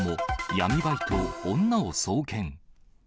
闇バイト、女を送検。